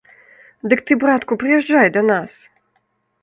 Дык ты, братку, прыязджай да нас.